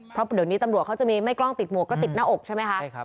เพราะเดี๋ยวนี้ตำรวจเขาจะมีไม่กล้องติดหมวกก็ติดหน้าอกใช่ไหมคะ